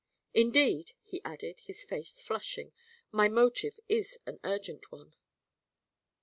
Indeed," he added, his face flushing, "my motive is an urgent one."